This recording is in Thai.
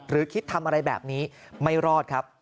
หรือคิดทำอะไรแบบนี้ไม่รอดครับ